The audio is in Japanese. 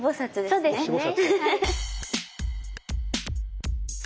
そうですね。